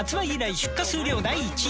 出荷数量第一位！